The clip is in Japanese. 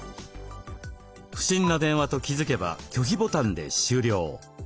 不審な電話と気付けば拒否ボタンで終了。